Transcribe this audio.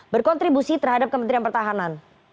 berkontribusi terhadap kementerian pertahanan